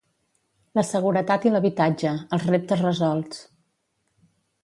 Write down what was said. La seguretat i l'habitatge, els reptes resolts.